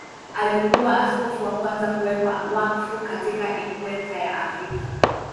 Alikuwa askofu wa kwanza kuwekwa wakfu katika Ikweta ya Afrika.